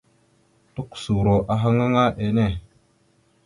Tukəsoro ahaŋ aŋa enne.